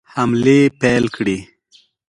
حملې پیل کړې.